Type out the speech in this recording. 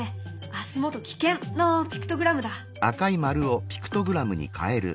「足元危険！」のピクトグラムだ。